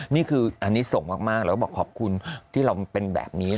นี่คืออันนี้ส่งมากแล้วก็บอกขอบคุณที่เราเป็นแบบนี้